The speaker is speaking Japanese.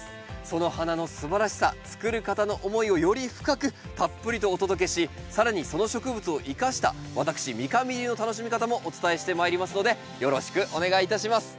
その花のすばらしさつくる方の思いをより深くたっぷりとお届けし更にその植物を生かした私三上流の楽しみ方もお伝えしてまいりますのでよろしくお願いいたします。